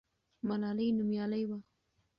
ملالۍ نومیالۍ وه.